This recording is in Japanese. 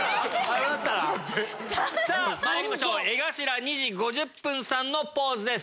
まいりましょう江頭２：５０さんのポーズです。